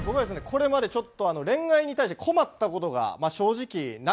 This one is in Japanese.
これまでちょっと恋愛に対して困った事が正直なくてですね。